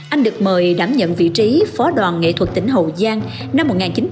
anh được mời đảm nhận vị trí phó đoàn nghệ thuật tỉnh hậu giang năm một nghìn chín trăm chín mươi